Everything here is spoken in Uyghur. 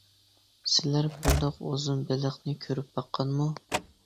سىلەر بۇنداق ئۇزۇن بېلىقنى كۆرۈپ باققانمۇ؟ !